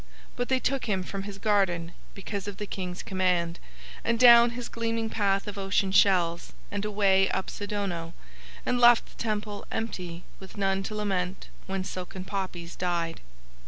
But they took him from his garden because of the King's command, and down his gleaming path of ocean shells and away up Sidono, and left the Temple empty with none to lament when silken poppies died.